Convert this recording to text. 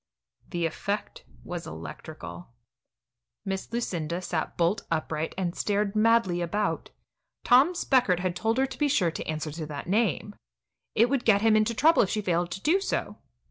The effect was electrical. Miss Lucinda sat bolt upright and stared madly about. Tom Speckert had told her to be sure to answer to that name. It would get him into trouble if she failed to do so.